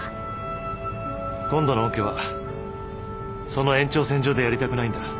今度のオケはその延長線上でやりたくないんだ。